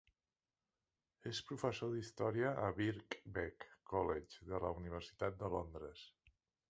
És professor d'Història a Birkbeck College de la Universitat de Londres.